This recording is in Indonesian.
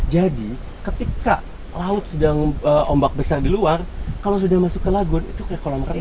jadi ketika laut sedang ombak besar di luar kalau sudah masuk ke lagun itu kayak kolam renang